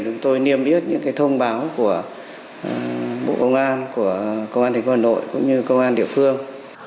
chúng tôi niêm yết những thông báo của bộ công an của công an thành phố hà nội cũng như công an địa phương